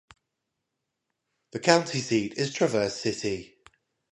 The county seat is Traverse City.